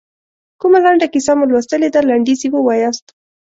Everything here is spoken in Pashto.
کومه لنډه کیسه مو لوستلې ده لنډیز یې ووایاست.